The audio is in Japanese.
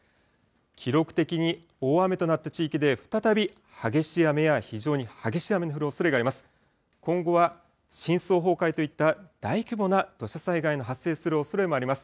記録的に大雨となった地域で、再び激しい雨や非常に激しい雨の降るおそれがあります。